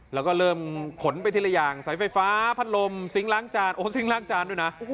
แล้วก็เริ่มขนไปทีละอย่างสายไฟฟ้าพัดลมซิงค์ล้างจานโอ้ซิงคล้างจานด้วยนะ